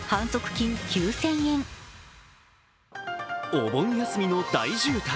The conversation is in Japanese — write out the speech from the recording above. お盆休みの大渋滞。